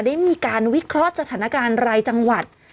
ได้มีการวิเคราะห์สถานการณ์รายจังหวัด